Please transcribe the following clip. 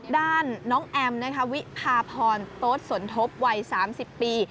ด้านน้องแอมนะคะวิพาพรโต๊ดสนทบวัย๓๐ปี